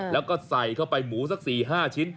แล้วก็ใส่เข้าไปหมูสัก๔๕ชิ้น